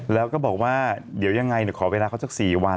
แล้วก็บอกว่าเดี๋ยวยังไงนี่ขอเวลาเค้าจะเป็น๔วัน